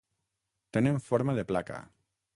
Tenen forma de placa.